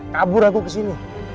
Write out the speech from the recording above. kabur aku kesini